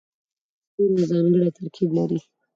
هر ستوری یو ځانګړی ترکیب لري.